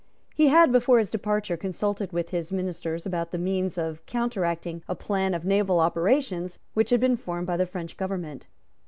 He had, before his departure, consulted with his ministers about the means of counteracting a plan of naval operations which had been formed by the French government.